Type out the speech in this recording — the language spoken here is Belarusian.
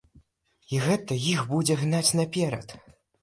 І гэта іх будзе гнаць наперад.